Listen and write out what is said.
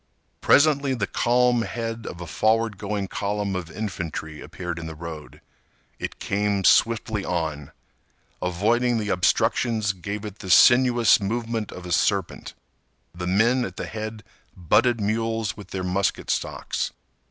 Presently the calm head of a forward going column of infantry appeared in the road. It came swiftly on. Avoiding the obstructions gave it the sinuous movement of a serpent. The men at the head butted mules with their musket stocks.